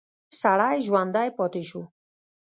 سړی ژوندی پاتې شو.